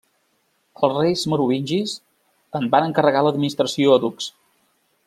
Els reis merovingis en van encarregar l'administració a ducs.